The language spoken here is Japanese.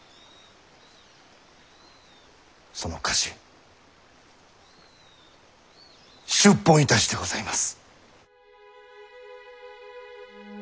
その家臣出奔いたしてございます。